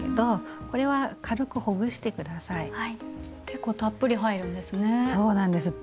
結構たっぷり入るんですね。